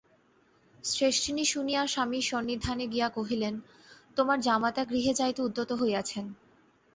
শ্রেষ্ঠিনী শুনিয়া স্বামীর সন্নিধানে গিয়া কহিলেন, তোমার জামাতা গৃহে যাইতে উদ্যত হইয়াছেন।